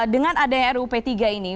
dengan adanya rup tiga ini